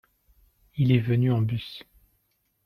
Il est venu en bus.